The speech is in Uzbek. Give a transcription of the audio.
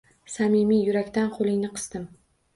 Samimiy yurakdan qo’lingni qisdim.